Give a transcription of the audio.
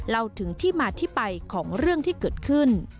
เล่าถึงที่มาที่ไปของเรื่องที่เกิดขึ้น